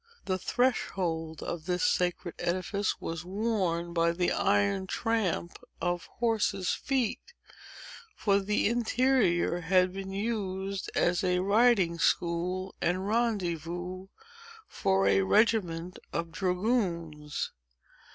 The threshold of this sacred edifice was worn by the iron tramp of horse's feet: for the interior had been used as a riding school and rendezvous, for a regiment of dragoons.